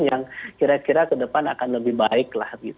yang kira kira ke depan akan lebih baik lah